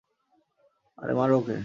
আরো মার ওকে!